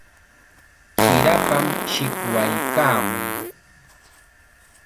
Chirapam shikwaykaamun.